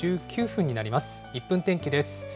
１分天気です。